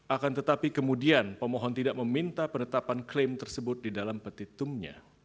akan tetapi kemudian pemohon tidak meminta penetapan klaim tersebut di dalam petitumnya